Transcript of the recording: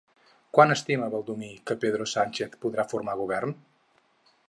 Quan estima Baldoví que Pedro Sánchez podrà formar govern?